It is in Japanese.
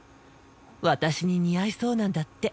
私に似合いそうなんだって。